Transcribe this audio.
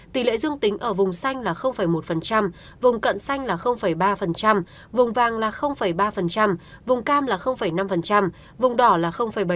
tỷ lệ dương tính ở vùng xanh là một vùng cận xanh là ba vùng vàng là ba vùng cam là năm vùng đỏ là bảy